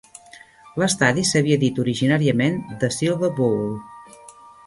L'estadi s'havia dit originàriament The Silver Bowl.